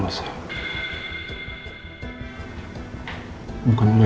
lu jangan nyarang